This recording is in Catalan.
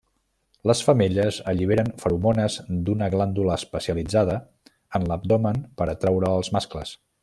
Les femelles alliberen feromones d'una glàndula especialitzada en l'abdomen per atraure els mascles.